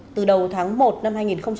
từ đầu tháng một năm hai nghìn hai mươi